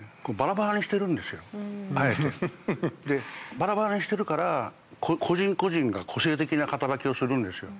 バラバラにしてるから個人個人が個性的な働きをするんですよ。